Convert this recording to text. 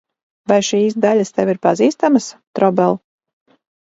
Vai šīs daļas tev ir pazīstamas, Trobel?